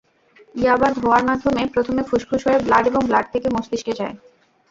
ইয়াবা ধোঁয়ার মাধ্যমে প্রথমে ফুসফুস হয়ে ব্লাড এবং ব্লাড থেকে মস্তিষ্কে যায়।